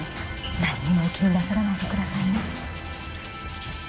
何もお気になさらないでくださいね。